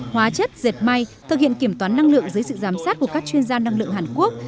hóa chất dệt may thực hiện kiểm toán năng lượng dưới sự giám sát của các chuyên gia năng lượng hàn quốc